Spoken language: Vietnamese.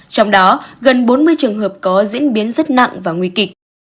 trong đó gần bốn mươi trường hợp có diễn biến rất nặng và nguy kịch